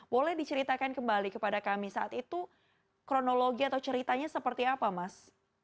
boleh diceritakan kembali kepada kami saat itu kronologi atau ceritanya seperti apa mas